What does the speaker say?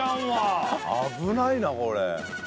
危ないなこれ。